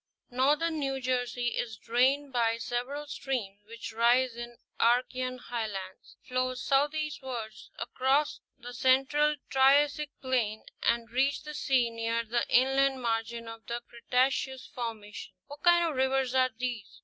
NortHern New Jersey is drained by several streams which rise in the Archean Highlands, flow southeastward across the central Triassic plain and reach the sea near the inland margin of the Cretaceous formation. What kinds of rivers are these?